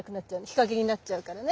日陰になっちゃうからね。